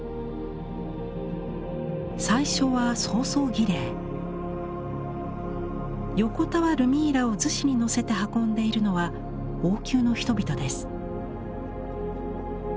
最初は横たわるミイラを厨子にのせて運んでいるのは王宮の人々です。